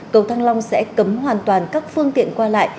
cầu thăng long sẽ cấm hoàn toàn các phương tiện qua lại